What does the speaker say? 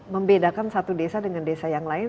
membedakan satu desa dengan desa yang lain